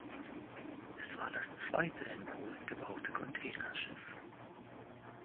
Es war das zweite in Polen gebaute Containerschiff.